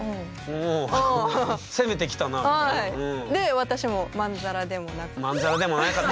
で私もまんざらでもなく。